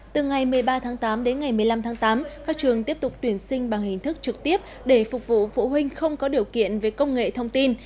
từ ngày một mươi ba tháng tám đến ngày một mươi năm tháng tám các trường tiếp tục tuyển sinh bằng hình thức trực tiếp để phục vụ phụ huynh không có điều kiện về công nghệ thông tin